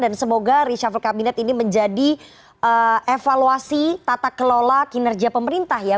dan semoga resapel kabinet ini menjadi evaluasi tata kelola kinerja pemerintah ya